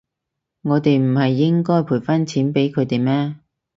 我哋唔係應該賠返錢畀佢哋咩？